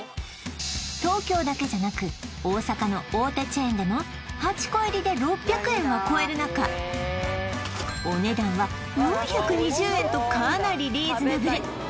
東京だけじゃなく大阪の大手チェーンでも８個入りで６００円は超える中お値段は４２０円とかなりリーズナブル